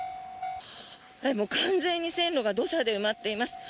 完全に線路が土砂で埋まっています。